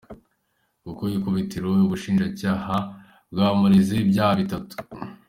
Ku ikubitiro ubushinjacyaha bwamureze ibyaha bitatu.